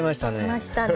いましたね。